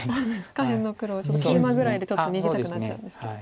下辺の黒をケイマぐらいでちょっと逃げたくなっちゃうんですけど。